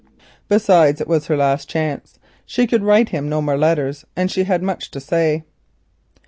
Besides, it was her last chance—she could write him no more letters and she had much to say.